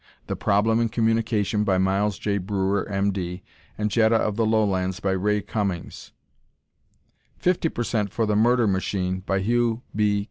"The Problem in Communication," by Miles J. Breuer, M. D. and "Jetta of the Lowlands," by Ray Cummings; 50% for "The Murder Machine," by Hugh B.